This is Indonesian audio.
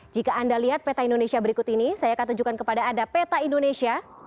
jika anda lihat peta indonesia berikut ini saya akan tunjukkan kepada anda peta indonesia